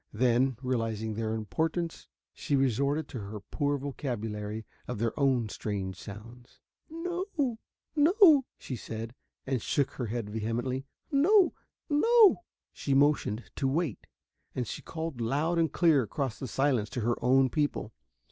Then, realizing their impotence, she resorted to her poor vocabulary of their own strange sounds. "No!" she said, and shook her head vehemently. "No no!" She motioned to wait, and she called loud and clear across the silence to her own people.